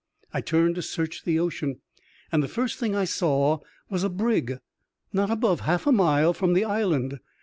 I turned to search the ocean, and the first thing I saw was a brig not above half a mile from the island.